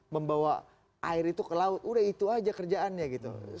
membawa air itu ke laut udah itu aja kerjaannya gitu